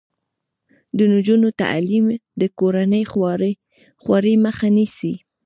د نجونو تعلیم د کورنۍ خوارۍ مخه نیسي.